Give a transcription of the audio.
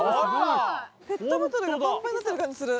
ペットボトルがパンパンになってる感じする。